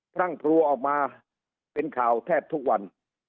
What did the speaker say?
พรั่งพรัวออกมาเป็นข่าวแทบทุกวัน